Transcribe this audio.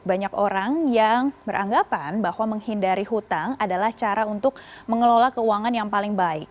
banyak orang yang beranggapan bahwa menghindari hutang adalah cara untuk mengelola keuangan yang paling baik